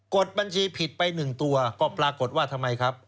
ดบัญชีผิดไป๑ตัวก็ปรากฏว่าทำไมครับ